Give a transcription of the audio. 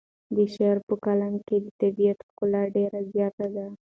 د شاعر په کلام کې د طبیعت ښکلا ډېره زیاته ده.